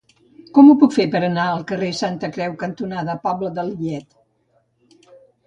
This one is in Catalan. Com ho puc fer per anar al carrer Santa Creu cantonada Pobla de Lillet?